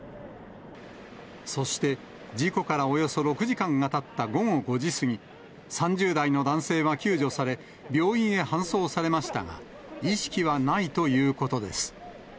そして事故からおよそ６時間がたった午後５時過ぎ、３０代の男性は救助され、病院へ搬送されましたが、意識はないということです。